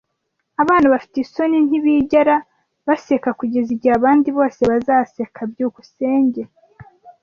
Abana bafite isoni ntibigera baseka kugeza igihe abandi bose bazaseka. byukusenge